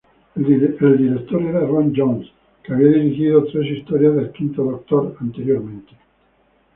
El director era Ron Jones, que había dirigido tres historias del Quinto Doctor anteriormente.